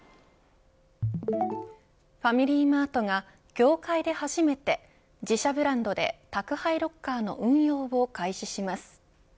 ファミリーマートが業界で初めて自社ブランドで宅配ロッカーの運用を開始します。